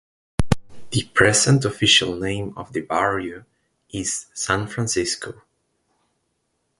The present official name of the barrio is San Francisco.